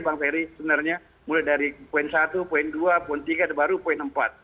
bang ferry sebenarnya mulai dari poin satu poin dua poin tiga baru poin empat